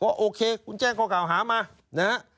โอเคคุณแจ้งข้อกล่าวหามานะฮะ